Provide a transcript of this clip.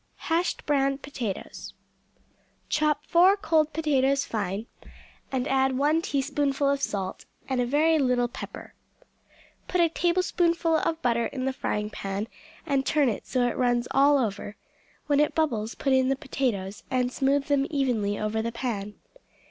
Hashed Browned Potatoes Chop four cold potatoes fine, and add one teaspoonful of salt and a very little pepper. Put a tablespoonful of butter in the frying pan, and turn it so it runs all over; when it bubbles put in the potatoes, and smooth them evenly over the pan.